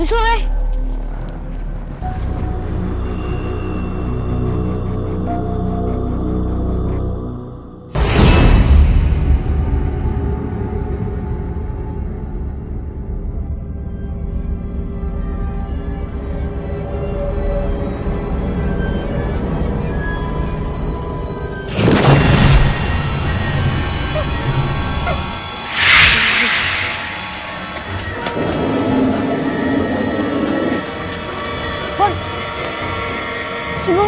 bisa langsung jadi setan kan